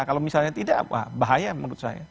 kalau misalnya tidak apa bahaya menurut saya